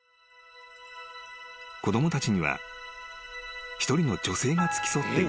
［子供たちには一人の女性が付き添っているが］